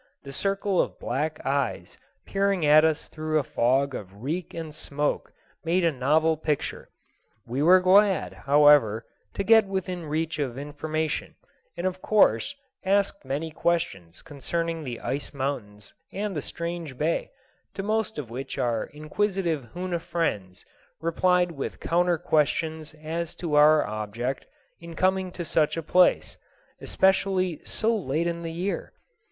The circle of black eyes peering at us through a fog of reek and smoke made a novel picture. We were glad, however, to get within reach of information, and of course asked many questions concerning the ice mountains and the strange bay, to most of which our inquisitive Hoona friends replied with counter questions as to our object in coming to such a place, especially so late in the year.